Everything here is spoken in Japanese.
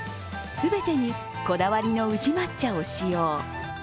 全てにこだわりの宇治抹茶を使用。